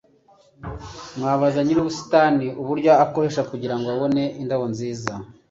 Mwabaza nyir'ubusitani uburyo akoresha ngo abashe kubona indabyo nziza